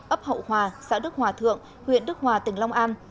ấp hậu hòa xã đức hòa thượng huyện đức hòa tỉnh long an